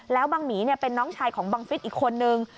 แล้วบังหมีเป็นน้องชายของบังฟิศอีกคนนึง